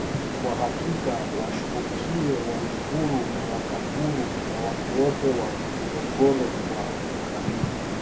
Kwa hakika washukuriwe Waluguru na Wakaguru na watu wote wa Morogoro kwa ukarimu